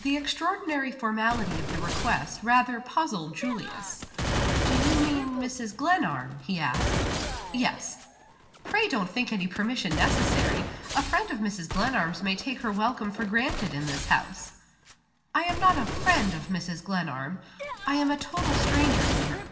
The extraordinary formality of the request rather puzzled Julius. "Do you mean Mrs. Glenarm?" he asked. "Yes." "Pray don't think any permission necessary. A friend of Mrs. Glenarm's may take her welcome for granted in this house." "I am not a friend of Mrs. Glenarm. I am a total stranger to her."